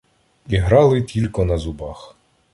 Іграли тілько на зубах.